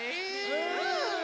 うん！